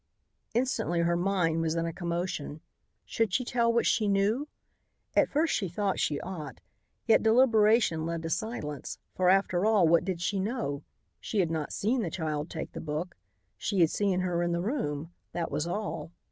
Instantly her mind was in a commotion. Should she tell what she knew? At first she thought she ought, yet deliberation led to silence, for, after all, what did she know? She had not seen the child take the book. She had seen her in the room, that was all.